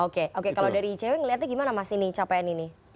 oke oke kalau dari icw ngelihatnya gimana mas ini capaian ini